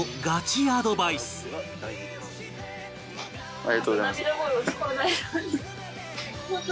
ありがとうございます。